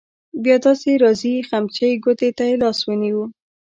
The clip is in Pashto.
بیا داسې راځې خمچۍ ګوتې ته يې لاس ونیو.